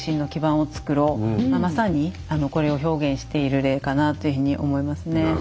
まさにこれを表現している例かなというふうに思いますね。